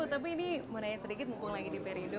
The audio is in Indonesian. tapi ini mau nanya sedikit mumpung lagi di perindo